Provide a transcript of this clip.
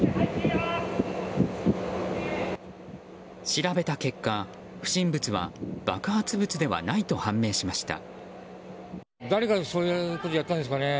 調べた結果、不審物は爆発物ではないと判明しました。